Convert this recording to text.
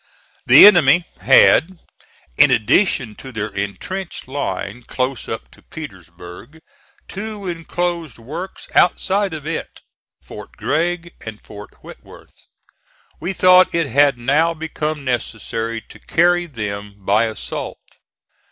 The enemy had in addition to their intrenched line close up to Petersburg, two enclosed works outside of it, Fort Gregg and Fort Whitworth. We thought it had now become necessary to carry them by assault.